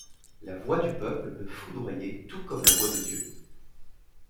La voix du peuple peut foudroyer tout comme la voix de Dieu.